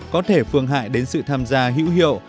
có thể phương hại đến sự tham gia hữu hiệu